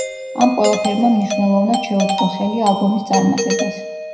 ამ ყველაფერმა მნიშვნელოვნად შეუწყო ხელი ალბომის წარმატებას.